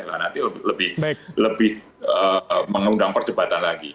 nah nanti lebih mengundang perdebatan lagi